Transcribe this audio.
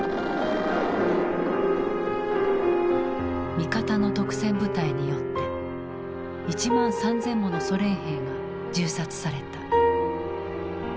味方の督戦部隊によって１万３０００ものソ連兵が銃殺された。